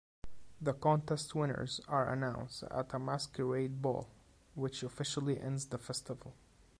The contest winners are announced at a masquerade ball which officially ends the festival.